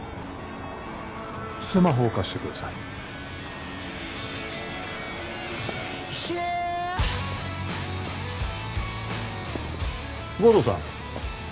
スマホを貸してください護道さん